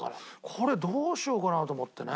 これどうしようかなと思ってね。